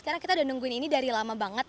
karena kita udah nungguin ini dari lama banget